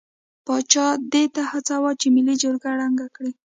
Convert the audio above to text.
پاچا دې ته هڅاوه چې ملي جرګه ړنګه کړي.